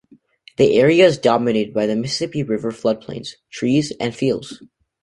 The area is dominated by the Mississippi River flood plains, trees and fields.